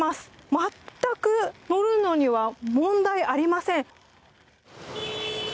全く乗るのには問題ありません。